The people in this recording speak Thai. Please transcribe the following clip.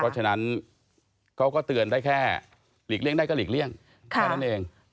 เพราะฉะนั้นเขาก็เตือนได้แค่หลีกเลี่ยงได้ก็หลีกเลี่ยงแค่นั้นเอง